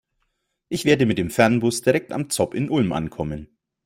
Ich werde mit dem Fernbus direkt am ZOB in Ulm ankommen.